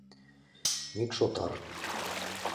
МӰКШ ОТАР